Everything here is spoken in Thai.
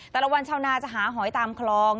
ตลาดวันเช้านาจะหาหอยตามคลอง